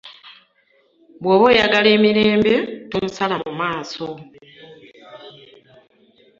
Bw'oba oyagala emirembe tomusala mu maaso.